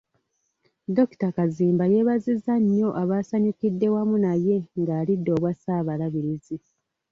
Dr. Kazimba yeebazizza nnyo abaasanyukidde wamu naye nga alidde obwa Ssaabalabirizi.